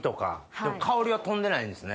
でも香りは飛んでないんですね。